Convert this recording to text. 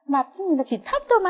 mà chỉ thấp thôi mà